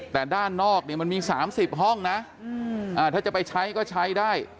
แต่ด้านนอกเนี่ยมันมี๓๐ห้องนะถ้าจะไปใช้ก็ใช้ได้